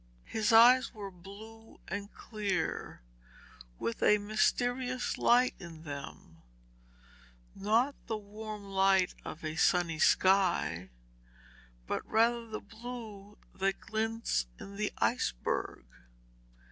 His eyes were blue and clear, with a mysterious light in them, not the warm light of a sunny sky, but rather the blue that glints in the iceberg.